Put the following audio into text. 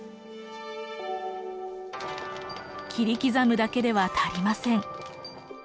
切り刻むだけでは足りません。